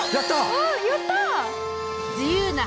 ああやった！